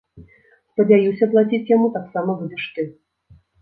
Спадзяюся, плаціць яму таксама будзеш ты!!!.